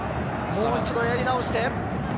もう一度やり直して。